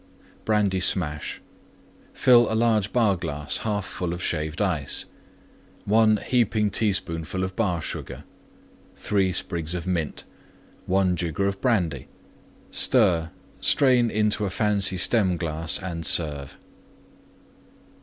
BRANDY SMASH Fill large Bar glass 1/2 full Shaved Ice. 1 heaping teaspoonful Bar Sugar. 3 sprigs of Mint. 1 jigger Brandy. Stir; strain into fancy Stem glass and serve.